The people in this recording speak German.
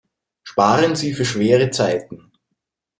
Sparen Sie für schwere Zeiten!